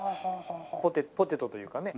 ポテトというかね。